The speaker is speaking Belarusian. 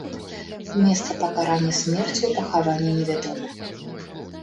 Месца пакарання смерцю і пахавання невядома.